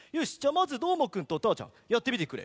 まずどーもくんとたーちゃんやってみてくれ。